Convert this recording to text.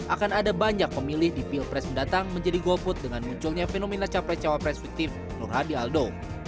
akan ada banyak pemilih di pilpres mendatang menjadi goput dengan munculnya fenomena capres cawapres fiktif nur hadi aldo